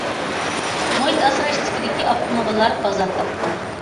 مۇھىت ئاسراش تىپىدىكى ئاپتوموبىللار بازار تاپتى.